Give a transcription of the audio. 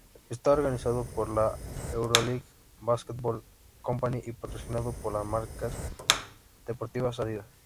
Está organizado por la Euroleague Basketball Company y patrocinado por la marca deportiva Adidas.